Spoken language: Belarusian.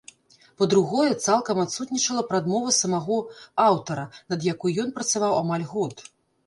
Па-другое, цалкам адсутнічала прадмова самога аўтара, над якой ён працаваў амаль год.